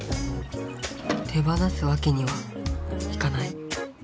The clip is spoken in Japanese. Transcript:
手放すわけにはいかない。